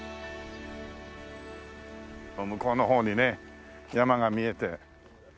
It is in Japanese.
向こうの方にね山が見えて。